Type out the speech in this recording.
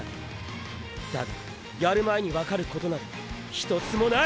だがやる前にわかることなどひとつもない！！